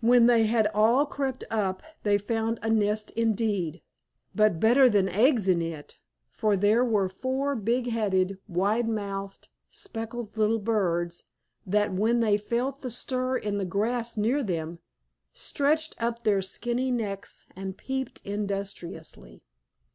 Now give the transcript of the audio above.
When they had all crept up they found a nest indeed, but better than eggs in it, for there were four big headed, wide mouthed speckled little birds, that, when they felt the stir in the grass near them, stretched up their skinny necks and peeped industriously.